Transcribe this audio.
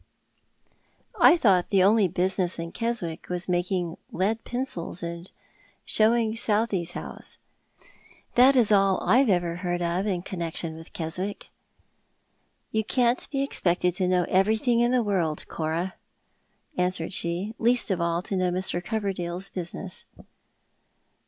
250 Tho7t art the Man. "1 thonglit the only business in Keswick was making lead pencils and showing Southey's house. That is all I've ever heard of in connection with Keswick." " You can't be expected to know everything in the world, Cora," answered she, " least of all to know Mr. Coverdale's business."